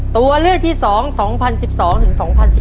ตัวเลือกที่สอง๒๐๑๒๒๐๑๓